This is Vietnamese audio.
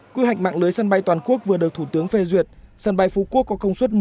quy hoạch mạng lưới sân bay toàn quốc vừa được thủ tướng phê duyệt sân bay phú quốc có công suất một